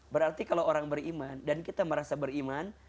berarti kalau orang beriman dan kita merasa beriman